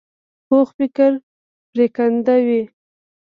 پوخ فکر پرېکنده وي